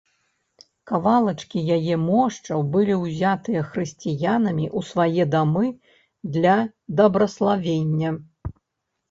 Кавалачкі яе мошчаў былі ўзятыя хрысціянамі ў свае дамы для дабраславення.